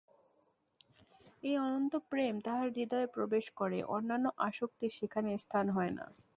এই অনন্ত প্রেম তাঁহার হৃদয়ে প্রবেশ করে, অন্যান্য আসক্তির সেখানে স্থান হয় না।